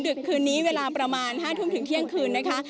ดึกคืนนี้เวลาประมาณ๕ทุ่มถึงเที่ยงคืนนะคะ